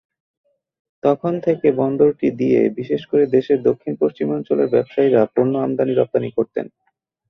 তখন থেকে বন্দরটি দিয়ে, বিশেষ করে দেশের দক্ষিণ-পশ্চিমাঞ্চলের ব্যবসায়ীরা পণ্য আমদানি-রপ্তানি করতেন।